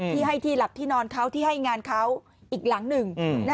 ที่ให้ที่หลับที่นอนเขาที่ให้งานเขาอีกหลังหนึ่ง